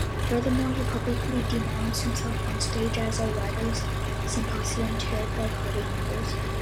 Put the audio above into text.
Furthermore, he publicly denounced himself onstage at a writer's symposium chaired by party members.